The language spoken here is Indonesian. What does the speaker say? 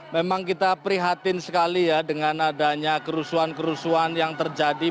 memang kita prihatin sekali ya dengan adanya kerusuhan kerusuhan yang terjadi